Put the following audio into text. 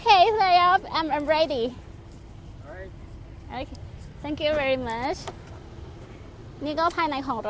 ข้างหน้าที่นี่มีเวลาส่งควรโปรธนีดที่เหลือ